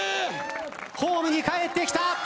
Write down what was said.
ホームに帰ってきた。